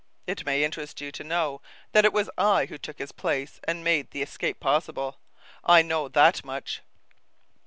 It may interest you to know that it was I who took his place and made the escape possible. I know that much!"